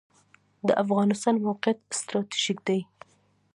د افغانستان موقعیت ستراتیژیک دی